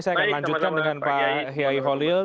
saya akan lanjutkan dengan pak hiay holil